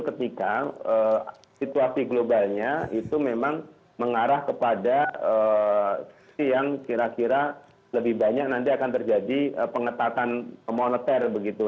ketika situasi globalnya itu memang mengarah kepada yang kira kira lebih banyak nanti akan terjadi pengetatan moneter begitu